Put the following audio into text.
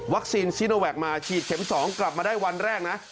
ซีโนแวคมาฉีดเข็ม๒กลับมาได้วันแรกนะ